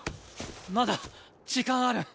まだ時間ある。